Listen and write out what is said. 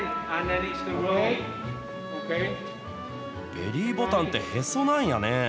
ベリーボタンって、へそなんやね。